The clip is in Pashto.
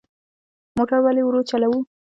موټر ولې ورو چلوو؟